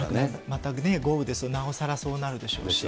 全くね、豪雨でなおさらそうなるでしょうし。